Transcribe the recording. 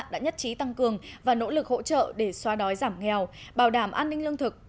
đã nhất trí tăng cường và nỗ lực hỗ trợ để xóa đói giảm nghèo bảo đảm an ninh lương thực